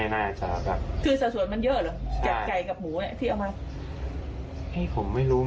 ลงงานตั้งใจเอาไก่เข้ามาปวดข้างนึง